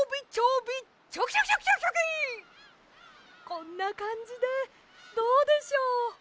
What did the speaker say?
こんなかんじでどうでしょう？